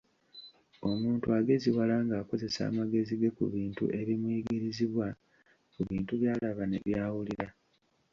Omuntu ageziwala ng'akozesa amagezi ge ku bintu ebimuyigirizibwa, ku bintu by'alaba ne by'awulira.